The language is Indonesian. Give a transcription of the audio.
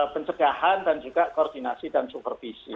pencegahan dan juga koordinasi dan supervisi